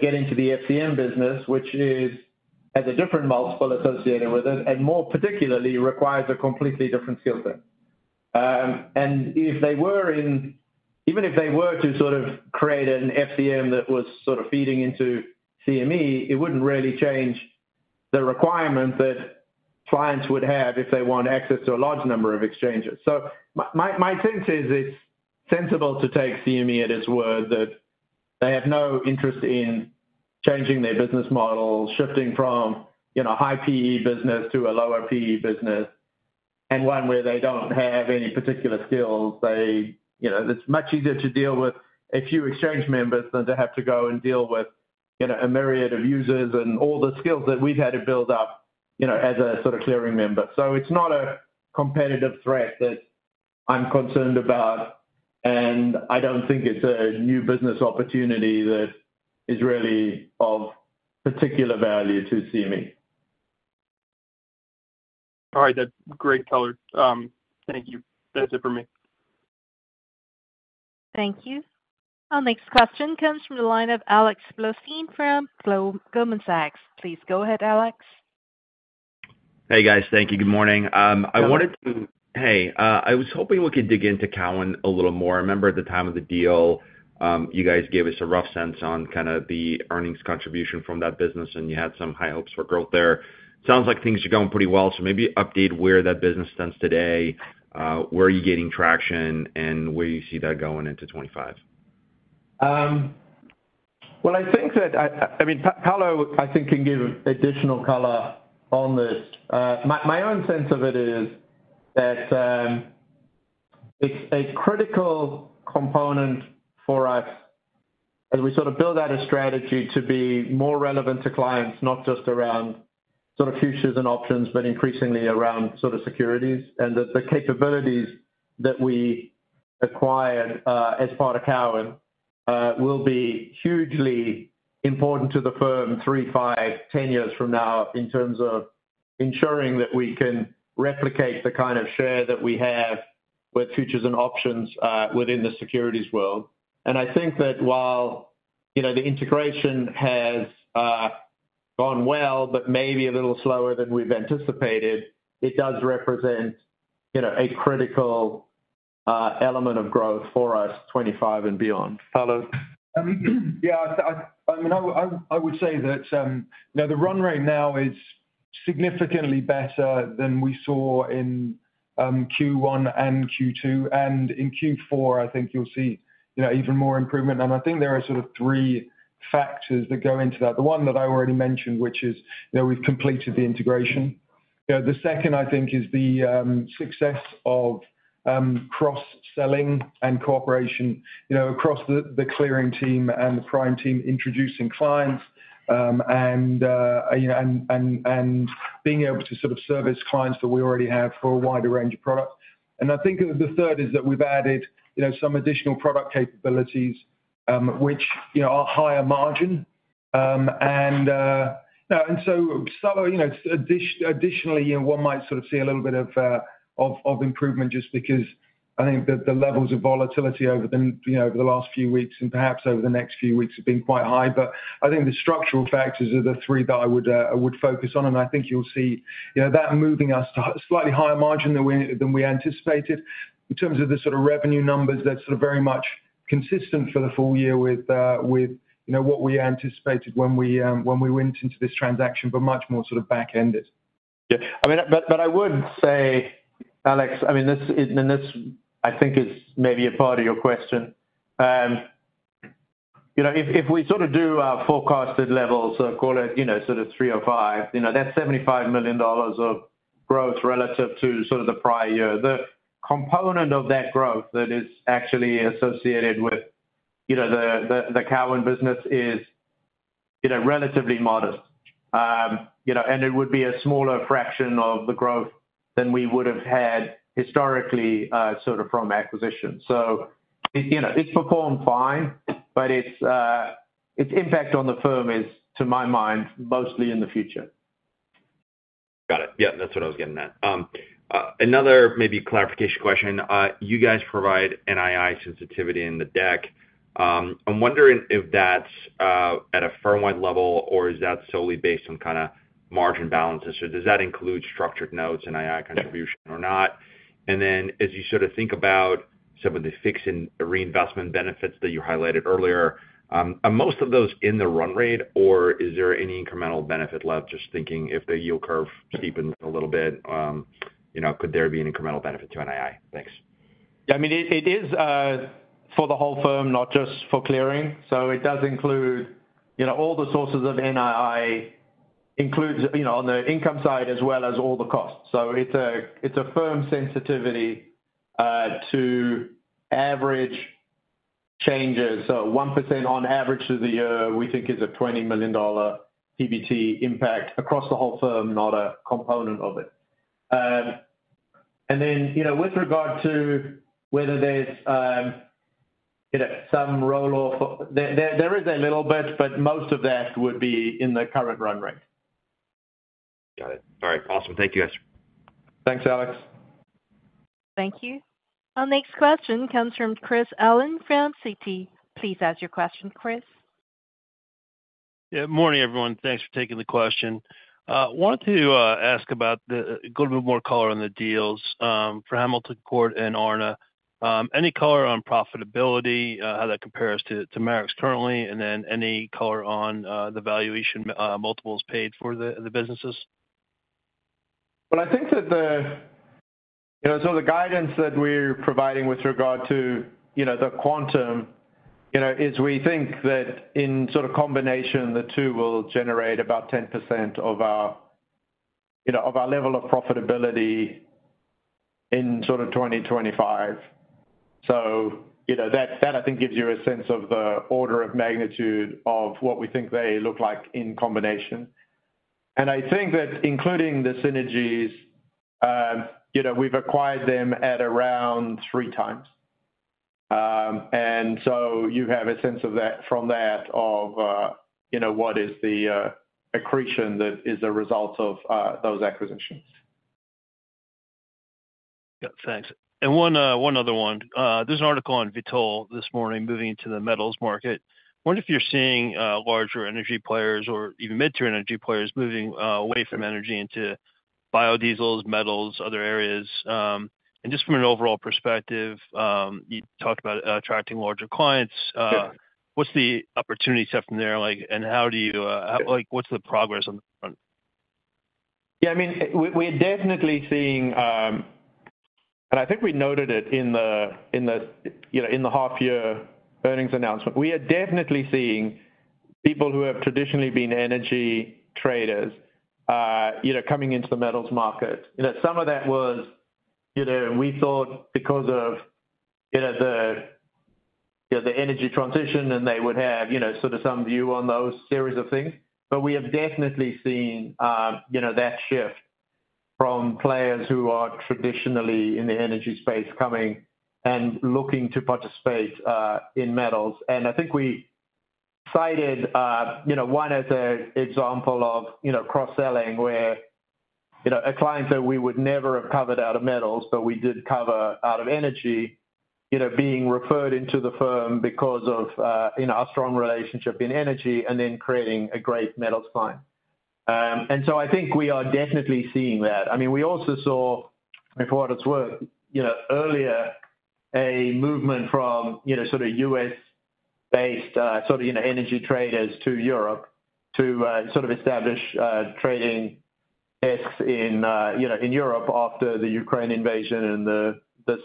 get into the FCM business, which has a different multiple associated with it and more particularly requires a completely different skill set, and even if they were to sort of create an FCM that was sort of feeding into CME, it wouldn't really change the requirement that clients would have if they want access to a large number of exchanges, so my sense is it's sensible to take CME at its word that they have no interest in changing their business model, shifting from a high-PE business to a lower-PE business, and one where they don't have any particular skills. It's much easier to deal with a few exchange members than to have to go and deal with a myriad of users and all the skills that we've had to build up as a sort of clearing member. So it's not a competitive threat that I'm concerned about. And I don't think it's a new business opportunity that is really of particular value to CME. All right. That's great color. Thank you. That's it for me. Thank you. Our next question comes from the line of Alex Blostein from Goldman Sachs. Please go ahead, Alex. Hey, guys. Thank you. Good morning. I wanted to. Hi. Hey. I was hoping we could dig into Cowen a little more. I remember at the time of the deal, you guys gave us a rough sense on kind of the earnings contribution from that business, and you had some high hopes for growth there. It sounds like things are going pretty well. So maybe update where that business stands today, where you're getting traction, and where you see that going into 2025. I think that I mean, Paolo, can give additional color on this. My own sense of it is that it's a critical component for us as we sort of build out a strategy to be more relevant to clients, not just around sort of futures and options, but increasingly around sort of securities. The capabilities that we acquired as part of Cowen will be hugely important to the firm three, five, 10 years from now in terms of ensuring that we can replicate the kind of share that we have with futures and options within the securities world. I think that while the integration has gone well, but maybe a little slower than we've anticipated, it does represent a critical element of growth for us 2025 and beyond. Paolo? Yeah. I mean, I would say that the run rate now is significantly better than we saw in Q1 and Q2, and in Q4, I think you'll see even more improvement, and I think there are sort of three factors that go into that. The one that I already mentioned, which is we've completed the integration. The second, I think, is the success of cross-selling and cooperation across the clearing team and the prime team introducing clients and being able to sort of service clients that we already have for a wider range of products, and I think the third is that we've added some additional product capabilities, which are higher margin, and so additionally, one might sort of see a little bit of improvement just because I think that the levels of volatility over the last few weeks and perhaps over the next few weeks have been quite high. But I think the structural factors are the three that I would focus on. And I think you'll see that moving us to a slightly higher margin than we anticipated in terms of the sort of revenue numbers that's sort of very much consistent for the full-year with what we anticipated when we went into this transaction, but much more sort of back-ended. Yeah. I mean, but I would say, Alex. I mean, and this I think is maybe a part of your question. If we sort of do our forecasted levels, call it sort of 305. That's $75 million of growth relative to sort of the prior year. The component of that growth that is actually associated with the Cowen business is relatively modest, and it would be a smaller fraction of the growth than we would have had historically sort of from acquisition, so it's performed fine, but its impact on the firm is, to my mind, mostly in the future. Got it. Yeah. That's what I was getting at. Another maybe clarification question. You guys provide NII sensitivity in the deck. I'm wondering if that's at a firm-wide level, or is that solely based on kind of margin balances? Or does that include structured notes, NII contribution, or not? And then as you sort of think about some of the fixed and reinvestment benefits that you highlighted earlier, are most of those in the run rate, or is there any incremental benefit left? Just thinking if the yield curve steepens a little bit, could there be an incremental benefit to NII? Thanks. Yeah. I mean, it is for the whole firm, not just for clearing. So it does include all the sources of NII, includes on the income side as well as all the costs. So it's a firm sensitivity to average changes. So 1% on average through the year, we think, is a $20 million PBT impact across the whole firm, not a component of it. And then with regard to whether there's some roll-off, there is a little bit, but most of that would be in the current run rate. Got it. All right. Awesome. Thank you, guys. Thanks, Alex. Thank you. Our next question comes from Chris Allen from Citi. Please ask your question, Chris. Yeah. Morning, everyone. Thanks for taking the question. I wanted to ask about getting a little bit more color on the deals for Hamilton Court and Aarna. Any color on profitability, how that compares to Marex's currently, and then any color on the valuation multiples paid for the businesses? I think that sort of the guidance that we're providing with regard to the quantum is we think that in sort of combination, the two will generate about 10% of our level of profitability in sort of 2025. That, I think, gives you a sense of the order of magnitude of what we think they look like in combination. I think that including the synergies, we've acquired them at around three times. You have a sense from that of what is the accretion that is a result of those acquisitions. Yeah. Thanks. And one other one. There's an article on Vitol this morning moving into the metals market. I wonder if you're seeing larger energy players or even mid-tier energy players moving away from energy into biodiesels, metals, other areas. And just from an overall perspective, you talked about attracting larger clients. What's the opportunity set from there, and how do you, what's the progress on the front? Yeah. I mean, we are definitely seeing and I think we noted it in the half-year earnings announcement. We are definitely seeing people who have traditionally been energy traders coming into the metals market. Some of that was we thought because of the energy transition, and they would have sort of some view on those series of things. But we have definitely seen that shift from players who are traditionally in the energy space coming and looking to participate in metals. And I think we cited one as an example of cross-selling where a client that we would never have covered out of metals, but we did cover out of energy being referred into the firm because of a strong relationship in energy and then creating a great metals client. And so I think we are definitely seeing that. I mean, we also saw, for what it's worth, earlier, a movement from sort of U.S.-based sort of energy traders to Europe to sort of establish trading desks in Europe after the Ukraine invasion and the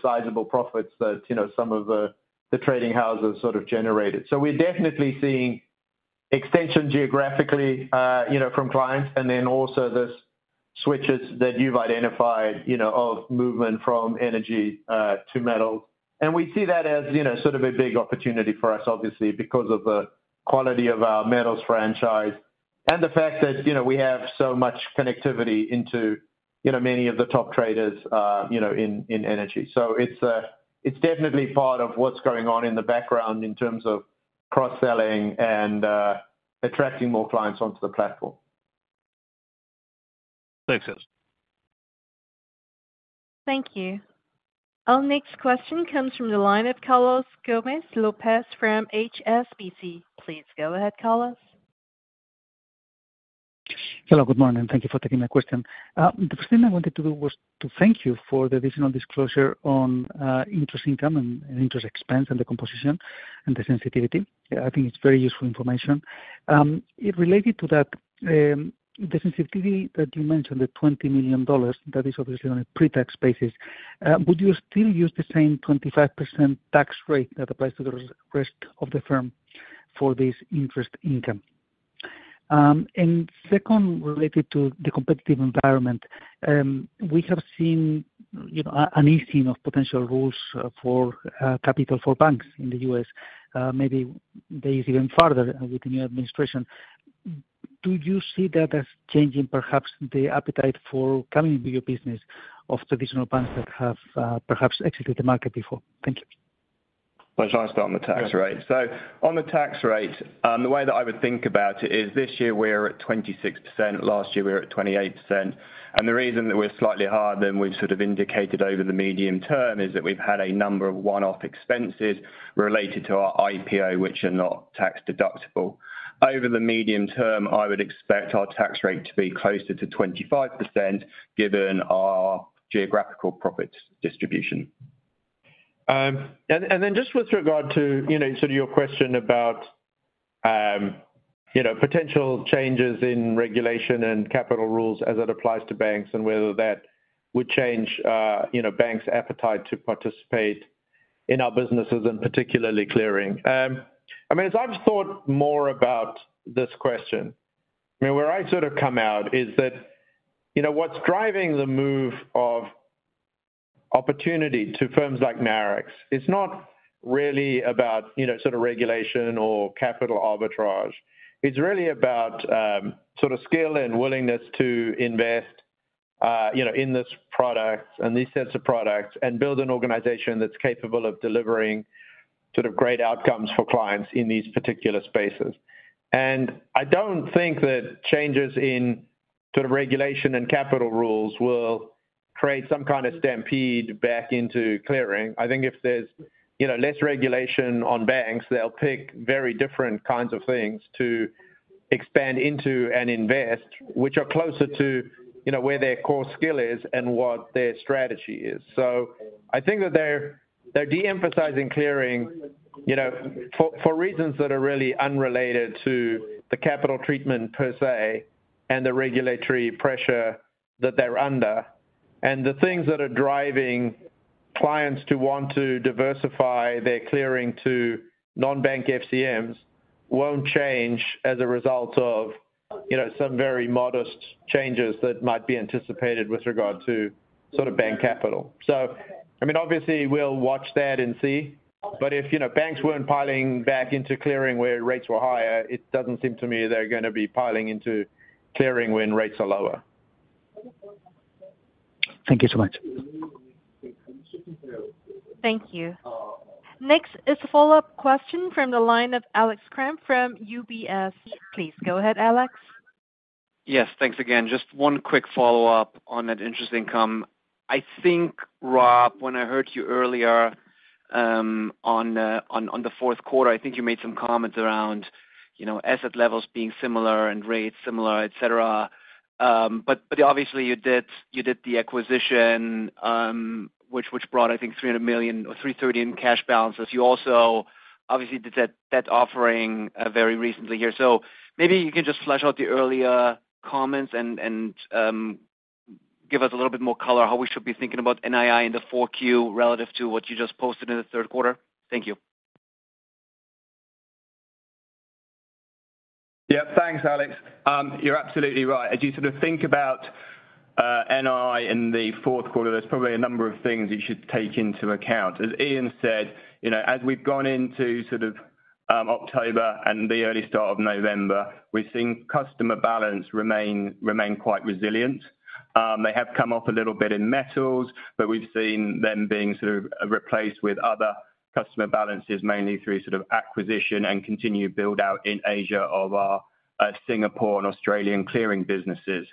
sizable profits that some of the trading houses sort of generated. So we're definitely seeing extension geographically from clients and then also this switch that you've identified of movement from energy to metals. And we see that as sort of a big opportunity for us, obviously, because of the quality of our metals franchise and the fact that we have so much connectivity into many of the top traders in energy. So it's definitely part of what's going on in the background in terms of cross-selling and attracting more clients onto the platform. Thanks, guys. Thank you. Our next question comes from the line of Carlos Gomez-Lopez from HSBC. Please go ahead, Carlos. Hello. Good morning. Thank you for taking my question. The first thing I wanted to do was to thank you for the additional disclosure on interest income and interest expense and the composition and the sensitivity. I think it's very useful information. Related to that, the sensitivity that you mentioned, the $20 million, that is obviously on a pre-tax basis, would you still use the same 25% tax rate that applies to the rest of the firm for this interest income? And second, related to the competitive environment, we have seen an easing of potential rules for capital for banks in the U.S. Maybe they are even farther with the new administration. Do you see that as changing perhaps the appetite for coming into your business of traditional banks that have perhaps exited the market before? Thank you. I'll start on the tax rate. On the tax rate, the way that I would think about it is this year we're at 26%. Last year, we were at 28%. The reason that we're slightly higher than we've sort of indicated over the medium term is that we've had a number of one-off expenses related to our IPO, which are not tax-deductible. Over the medium term, I would expect our tax rate to be closer to 25% given our geographical profits distribution. And then just with regard to sort of your question about potential changes in regulation and capital rules as it applies to banks and whether that would change banks' appetite to participate in our businesses and particularly clearing. I mean, as I've thought more about this question, I mean, where I sort of come out is that what's driving the move of opportunity to firms like Marex is not really about sort of regulation or capital arbitrage. It's really about sort of skill and willingness to invest in these sets of products and build an organization that's capable of delivering sort of great outcomes for clients in these particular spaces. And I don't think that changes in sort of regulation and capital rules will create some kind of stampede back into clearing. I think if there's less regulation on banks, they'll pick very different kinds of things to expand into and invest, which are closer to where their core skill is and what their strategy is. So I think that they're de-emphasizing clearing for reasons that are really unrelated to the capital treatment per se and the regulatory pressure that they're under. And the things that are driving clients to want to diversify their clearing to non-bank FCMs won't change as a result of some very modest changes that might be anticipated with regard to sort of bank capital. So I mean, obviously, we'll watch that and see. But if banks weren't piling back into clearing where rates were higher, it doesn't seem to me they're going to be piling into clearing when rates are lower. Thank you so much. Thank you. Next is a follow-up question from the line of Alex Kramm from UBS. Please go ahead, Alex. Yes. Thanks again. Just one quick follow-up on that interest income. I think, Rob, when I heard you earlier on the fourth quarter, I think you made some comments around asset levels being similar and rates similar, etc. But obviously, you did the acquisition, which brought, I think, $300 million or $330 million in cash balances. You also obviously did that offering very recently here. So maybe you can just flesh out the earlier comments and give us a little bit more color how we should be thinking about NII in the fourth quarter relative to what you just posted in the third quarter. Thank you. Yeah. Thanks, Alex. You're absolutely right. As you sort of think about NII in the fourth quarter, there's probably a number of things you should take into account. As Ian said, as we've gone into sort of October and the early start of November, we've seen customer balance remain quite resilient. They have come off a little bit in metals, but we've seen them being sort of replaced with other customer balances mainly through sort of acquisition and continued build-out in Asia of our Singapore and Australian clearing businesses.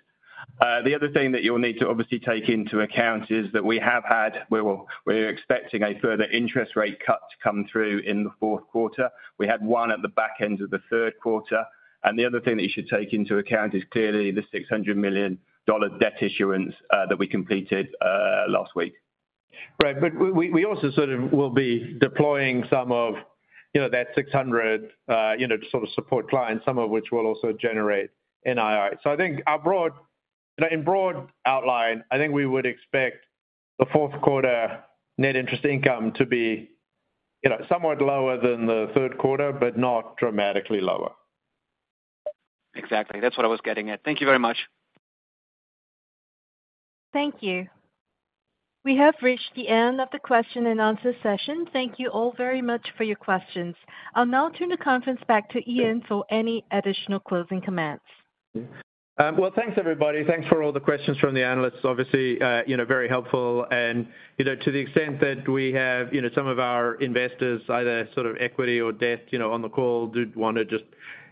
The other thing that you'll need to obviously take into account is that we have had, we're expecting a further interest rate cut to come through in the fourth quarter. We had one at the back end of the third quarter. The other thing that you should take into account is clearly the $600 million debt issuance that we completed last week. Right. We also sort of will be deploying some of that $600 million to sort of support clients, some of which will also generate NII. I think in broad outline, I think we would expect the fourth quarter net interest income to be somewhat lower than the third quarter, but not dramatically lower. Exactly. That's what I was getting at. Thank you very much. Thank you. We have reached the end of the question and answer session. Thank you all very much for your questions. I'll now turn the conference back to Ian for any additional closing comments. Thanks, everybody. Thanks for all the questions from the analysts. Obviously, very helpful, and to the extent that we have some of our investors, either sort of equity or debt on the call, did want to just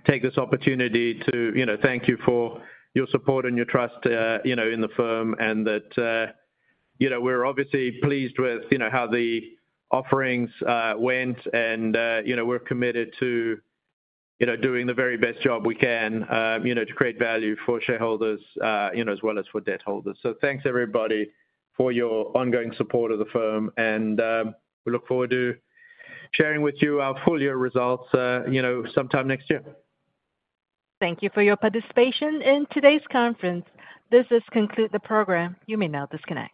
take this opportunity to thank you for your support and your trust in the firm and that we're obviously pleased with how the offerings went, and we're committed to doing the very best job we can to create value for shareholders as well as for debt holders, so thanks, everybody, for your ongoing support of the firm, and we look forward to sharing with you our full-year results sometime next year. Thank you for your participation in today's conference. This does conclude the program. You may now disconnect.